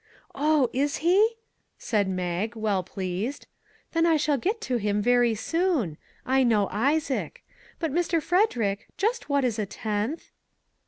" Oh, is he? " said Mag, well pleased; " then I shall get to him very soon ; I know Isaac. But, Mr. Frederick, just what is a tenth?